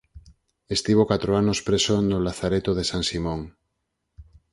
Estivo catro anos preso no Lazareto de San Simón.